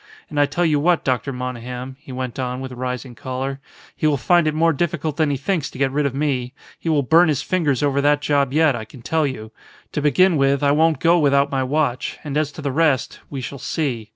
And I tell you what, Dr. Monygham," he went on with rising choler, "he will find it more difficult than he thinks to get rid of me. He will burn his fingers over that job yet, I can tell you. To begin with, I won't go without my watch, and as to the rest we shall see.